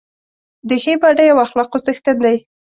د ښې باډۍ او اخلاقو څښتن دی.